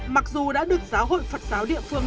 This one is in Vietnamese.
mặc dù đã được giáo hội phật giáo địa phương